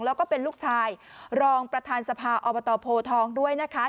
แล้วก็เป็นลูกชายรองประธานสภาอบตโพทองด้วยนะคะ